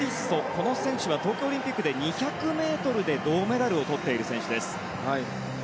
この選手は東京オリンピックで２００ｍで銅メダルをとっている選手。